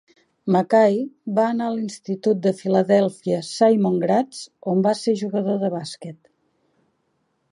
McKie va anar a l'institut de Philadelphia Simon Gratz, on va ser jugador de bàsquet.